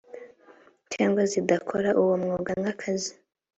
cyangwa zidakora uwo mwuga nk akazi